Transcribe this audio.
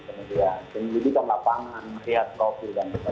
kemudian tinggikan lapangan lihat profil